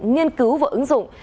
nghiên cứu và ứng dụng